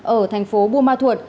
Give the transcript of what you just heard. ở thành phố bua ma thuột